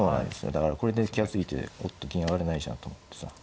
だからこれで気が付いておっと銀上がれないじゃんと思ってさ。